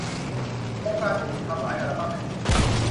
โครงการนี้มีทำหลายอัลบั้ม เป็นซีดี